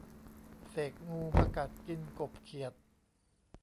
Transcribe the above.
เสกงูมากัดกินกบเขียด